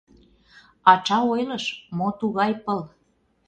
Ача ойлыш, мо тугай пыл.